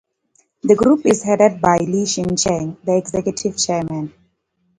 The group is headed by Lee Shin Cheng, the executive chairman.